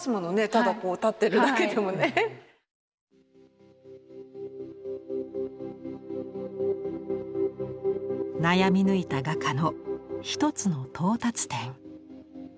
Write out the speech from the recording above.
ただこう立ってるだけでもね。悩み抜いた画家の一つの到達点。